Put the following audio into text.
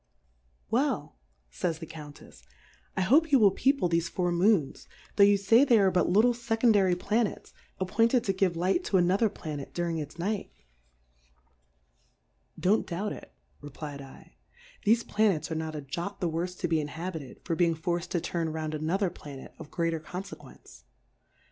Well, fays the Countefs^ I hope you will People thefe Four Moons, tho' yoii' fay they are but little fecondary Planets, appointed to give Light to a nother Planet during its Night.. Don't doubt 1 2.0 Difcourfes on the doubt it, replfdl^ thefe Planets are not a jot the worfe to be inhabited, for be ing forcM to turn round another Planet of greater Confequence.